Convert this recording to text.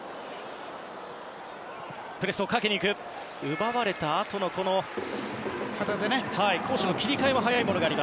奪われたあとの攻守の切り替えも早い旗手。